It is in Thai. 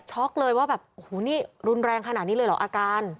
ช็อกเลยว่าแบบหูนี่รุนแรงขนาดนี้เลยเหรออาการ